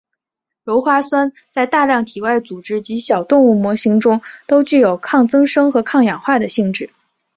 鞣花酸在大量体外组织及小动物模型中都具有抗增生和抗氧化的性质。